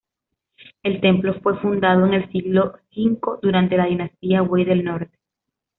El templo fue fundado en el siglo V durante la dinastía Wei del Norte.